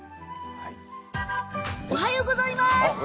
おはようございます。